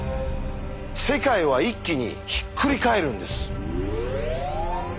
世界は一気にひっくり返るんです。